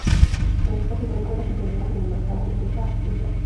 Realizó las inferiores en el Maccabi Haifa Football Club.